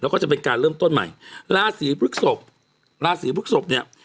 แล้วก็จะเป็นการเริ่มต้นใหม่ราศีพฤกษพราศีพฤกษพเนี่ย